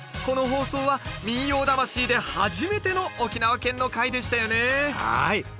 この放送は「民謡魂」で初めての沖縄県の回でしたよねはい！